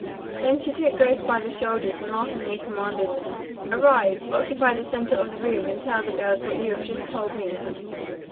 Then she took Grace by the shoulders and laughingly commanded, "Arise, occupy the center of the room and tell the girls what you have just told me."